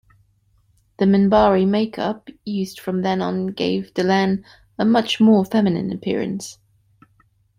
The Minbari makeup used from then on gave Delenn a much more feminine appearance.